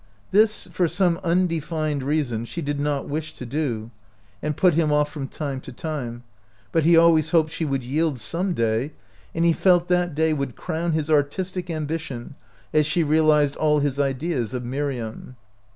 This, for some undefined reason, she did not wish to do, and put him off from time to time ; but he always hoped she would yield some* day, and he felt that day would crown his artistic ambition, as she realized all his ideas of Miriam.